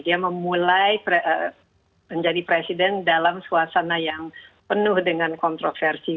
dia memulai menjadi presiden dalam suasana yang penuh dengan kontroversi